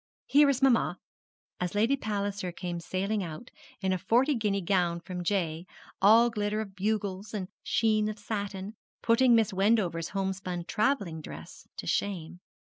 Here is mamma,' as Lady Palliser came sailing out, in a forty guinea gown from Jay, all glitter of bugles, and sheen of satin, putting Mrs. Wendover's homespun travelling dress to shame.